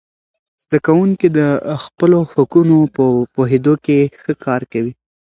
زده کوونکي د خپلو حقونو په پوهیدو کې ښه کار کوي.